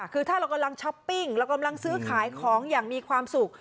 คือถ้าเรากำลังช้อปปิ้งเรากำลังซื้อขายของอย่างมีความสุข